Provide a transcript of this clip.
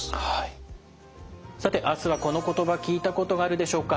さてあすはこの言葉聞いたことがあるでしょうか。